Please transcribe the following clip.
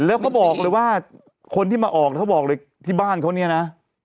แล้วเขาบอกเลยว่าคนที่มาออกเขาบอกเลยที่บ้านเขาเนี่ยนะ